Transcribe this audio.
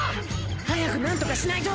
早くなんとかしないと。